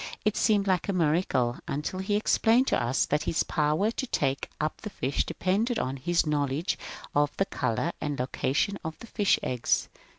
It seemed like a miracle, until he explained to us that his power to take up the fish depended upon his knowledge of the colour and location of the fish's eggs.